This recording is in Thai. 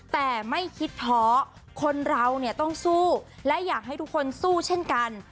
แต่ไม่คิดท้อคนเราเนี่ยต้องสู้และอยากให้ทุกคนสู้เช่นกัน